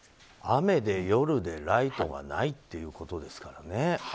雨で夜でライトがないということですからね。